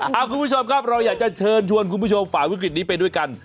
คุณผู้ชมครับเราอยากจะเชิญชวนคุณผู้ชมฝ่าวิกฤตนี้ไปด้วยกัน